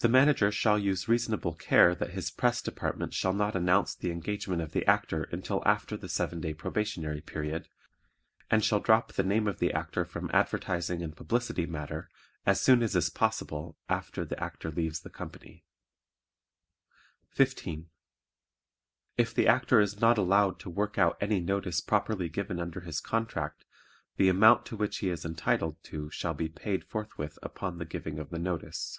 The Manager shall use reasonable care that his press department shall not announce the engagement of the Actor until after the seven day probationary period, and shall drop the name of the Actor from advertising and publicity matter as soon as is possible after the Actor leaves the company. 15. If the Actor is not allowed to work out any notice properly given under his contract the amount to which he is entitled to shall be paid forthwith upon the giving of the notice.